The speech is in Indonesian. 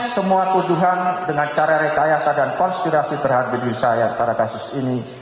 semua tuduhan dengan cara rekayasa dan konspirasi terhadap diri saya pada kasus ini